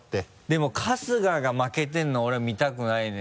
でも春日が負けてるの俺は見たくないね。